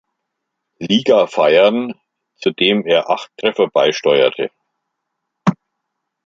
Liga feiern, zu dem er acht Treffer beisteuerte.